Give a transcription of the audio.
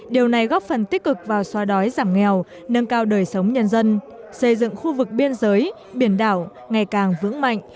điều này góp phần tích cực vào xóa đói giảm nghèo nâng cao đời sống nhân dân xây dựng khu vực biên giới biển đảo ngày càng vững mạnh